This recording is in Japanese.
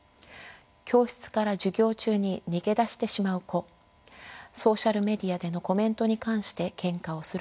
教室から授業中に逃げ出してしまう子ソーシャルメディアでのコメントに関してけんかをする子供たち